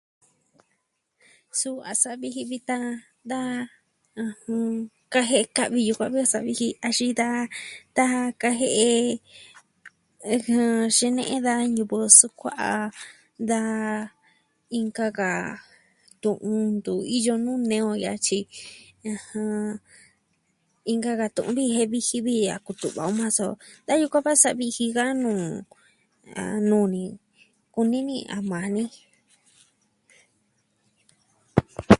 Suu a sa'a viji vitan da... ɨjɨn, kajie'e ka'vi yukuan vi a sa'a viji axin da... ta kajie'e... ɨjɨn, xine'e da ñivɨ sukua'a, da inka ka tu'un, tu iyo nuu nee o yatyi, ɨjɨn... inka ka tu'un viji vi a kutu'va o maa so, da yukuan va sa viji ka nuu... ah... nuu ni. Kunini a maa ni.